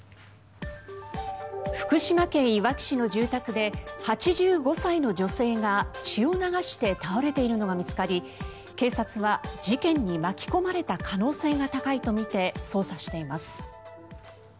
福島県いわき市の住宅で８５歳の女性が血を流して倒れているのが見つかり警察は事件に巻き込まれた可能性が高いとみて捜査しています。